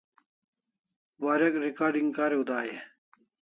Warek recording kariu dai e?